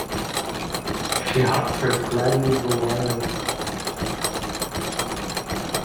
She hugs her slightly bewildered sister.